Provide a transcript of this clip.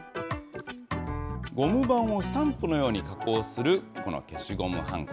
ゴムばんをスタンプのように加工する、この消しゴムはんこ。